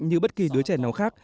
như bất kỳ đứa trẻ nào khác